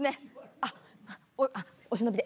あっあっお忍びで？